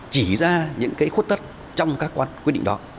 chỉ ra những cái khuất tất trong các quan quyết định đó